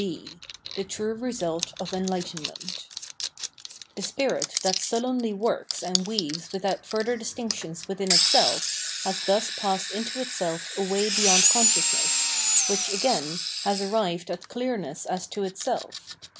b The True Result of Enlightenment * The spirit that sullenly works and weaves without farther distinctions within itself has thus passed into itself away beyond consciousness, which, again, has arrived at clearness as to itself.